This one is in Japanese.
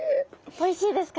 おいしいですか？